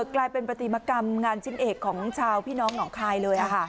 กลายเป็นปฏิมกรรมงานชิ้นเอกของชาวพี่น้องหนองคายเลย